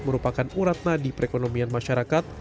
merupakan uratna di perekonomian masyarakat